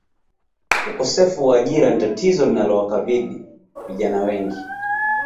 Ukosefu wa ajira ni tatizo linalowakabili vijana wengi